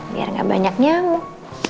biar gak banyak nyamuk